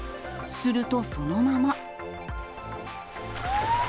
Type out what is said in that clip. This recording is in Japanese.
すると、そのまま。